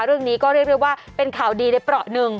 เรื่องนี้ก็เรียกได้ว่าเป็นข่าวดีในเปราะหนึ่ง